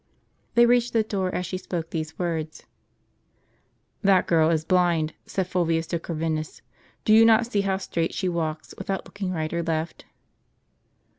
* They reached the door as she spoke these words. " That girl is blind," said Fulvius to Corvinus. " Do you not see how straight she walks, without looking right or left